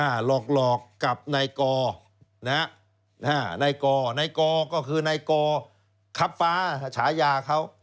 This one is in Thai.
หลอกหลอกกับนายกรนายกรก็คือนายกรคับฟ้าฉายาเขา